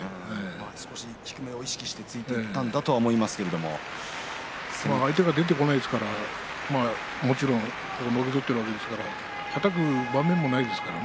少し低めを意識して突いていったんだと相手が出てこないのでのけぞっているわけですからはたく場面もないですね。